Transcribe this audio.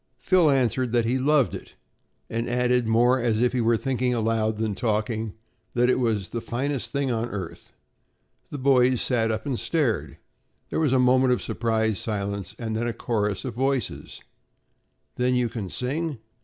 Phil answered that he loved it and added more as if he were thinking aloud than talking, that it was "the finest thing on earth." The boys sat up and stared. There was a moment of surprised silence and then a chorus of voices: "Then you can sing?"